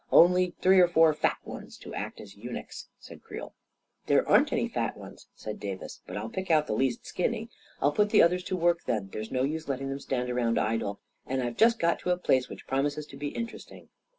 " Only three or four fat ones to act as eunuchs," said Creel. 44 There aren't any fat ones," said Davis, " but I'll pick out the least skinny. I'll put the others to work, then — there's no use letting them stand around idle — and I've just got to a place which promises to be interesting."